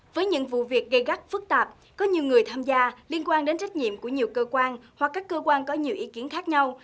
với những vụ việc gây gắt phức tạp có nhiều người tham gia liên quan đến trách nhiệm của nhiều cơ quan hoặc các cơ quan có nhiều ý kiến khác nhau